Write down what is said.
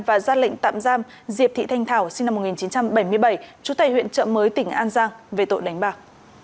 và ra lệnh tạm giam diệp thị thanh thảo sinh năm một nghìn chín trăm bảy mươi bảy trú tại huyện trợ mới tỉnh an giang về tội đánh bạc